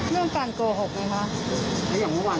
แล้วก็ไม่พบ